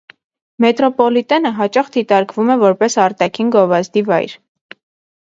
Մետրոպոլիտենը հաճախ դիտարկվում է որպես արտաքին գովազդի վայր։